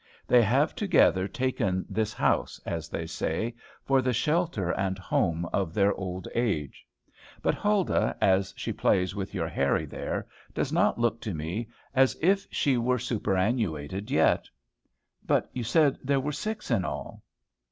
They have together taken this house, as they say, for the shelter and home of their old age. But Huldah, as she plays with your Harry there, does not look to me as if she were superannuated yet. "But you said there were six in all."